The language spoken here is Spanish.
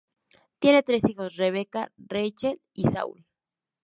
Tiene tres hijos: Rebecca, Rachael y Saul.